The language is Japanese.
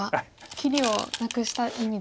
切りをなくした意味で。